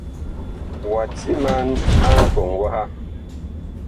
Wa timan a nkɔŋ waha.